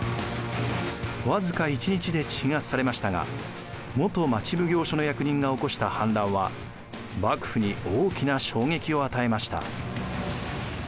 僅か１日で鎮圧されましたが元町奉行所の役人が起こした反乱は幕府に大きな衝撃を与えました。